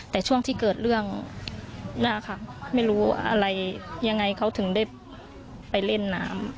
แต่ช่วงที่เกิดเรื่องนะคะไม่รู้อะไรยังไงเขาถึงได้ไปเล่นน้ำ